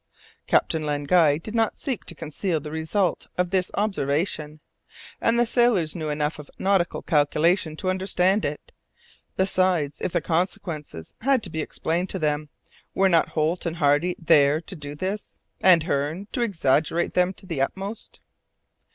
Captain Len Guy did not seek to conceal the result of this observation, and the sailors knew enough of nautical calculation to understand it. Besides, if the consequences had to be explained to them, were not Holt and Hardy there to do this, and Hearne, to exaggerate them to the utmost?